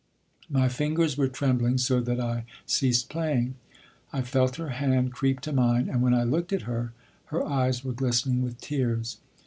My fingers were trembling so that I ceased playing. I felt her hand creep to mine, and when I looked at her, her eyes were glistening with tears.